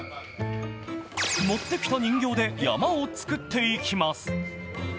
持ってきた人形で山を作っていきます。